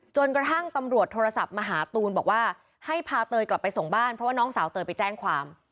จนกระทั่งตำรวจโทรศัพท์มาหาตูนบอกว่าให้พาเตยกลับไปส่งบ้านเพราะว่าน้องสาวเตยไปแจ้งความ